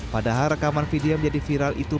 padahal rekaman video yang menjadi viral itu